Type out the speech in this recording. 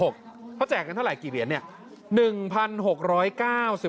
เขาแจกกันเท่าไหรกี่เหรียญเนี่ย